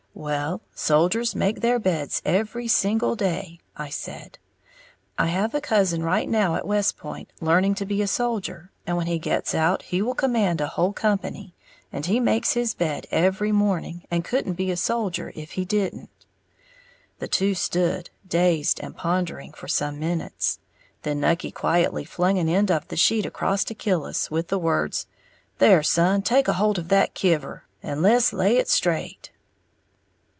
"Well, soldiers make their beds every single day," I said; "I have a cousin right now at West Point, learning to be a soldier, and when he gets out he will command a whole company, and he makes his bed every morning, and couldn't be a soldier if he didn't." The two stood, dazed and pondering, for some minutes; then Nucky quietly flung an end of the sheet across to Killis, with the words, "There, son, take a holt of that kiver, and le's lay it straight!"